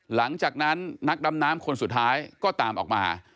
หลังจากนั้นนักดำน้ำคนสุดท้ายก็ตามออกมา